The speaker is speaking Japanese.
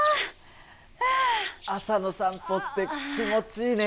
朝の散歩って気持ちいいね。